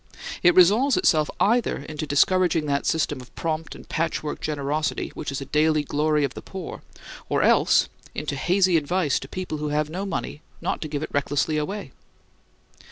It resolves itself either into discouraging that system of prompt and patchwork generosity which is a daily glory of the poor, or else into hazy advice to people who have no money not to give it recklessly away.